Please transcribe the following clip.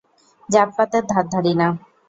জাতপাতের ধার ধারি না।